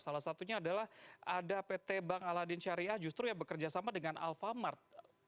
salah satunya adalah ada pt bank aladin syariah justru yang bekerja sama dengan alfamart